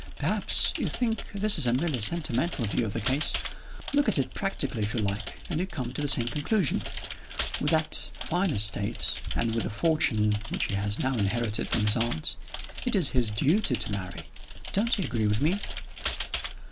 Perhaps you think this a merely sentimental view of the case? Look at it practically, if you like, and you come to the same conclusion. With that fine estate and with the fortune which he has now inherited from his aunt it is his duty to marry. Don't you agree with me?"